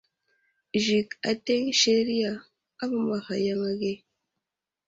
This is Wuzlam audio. Zik ateŋ seriya amamaghay yaŋ age.